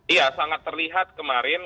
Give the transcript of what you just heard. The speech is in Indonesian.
iya sangat terlihat kemarin